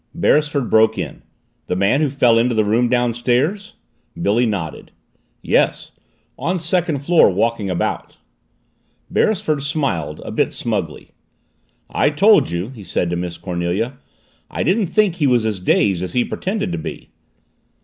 Beresford broke in. "The man who fell into the room downstairs?" Billy nodded. "Yes. On second floor, walking around." Beresford smiled, a bit smugly. "I told you!" he said to Miss Cornelia. "I didn't think he was as dazed as he pretended to be."